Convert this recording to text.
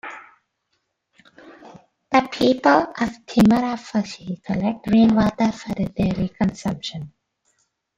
The people of Thimarafushi collect rainwater for their daily consumption.